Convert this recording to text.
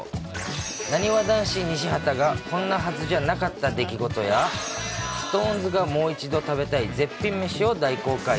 なにわ男子・西畑がこんなはずじゃなかった出来事や、ＳｉｘＴＯＮＥＳがもう一度食べたい絶品めしを大公開。